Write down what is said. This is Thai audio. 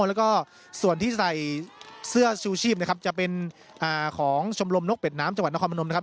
แล้วก็ส่วนที่ใส่เสื้อชูชีพนะครับจะเป็นของชมรมนกเป็ดน้ำจังหวัดนครพนมนะครับ